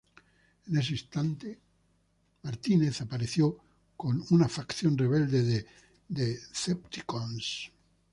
En ese instante, Shockwave apareció con una facción rebelde de Decepticons.